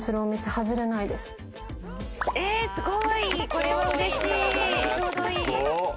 これはうれしい！